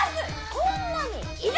こんなにいる？